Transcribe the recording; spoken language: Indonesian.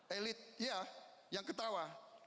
elit ya yang ketawa